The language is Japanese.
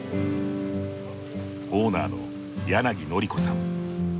オーナーの柳典子さん。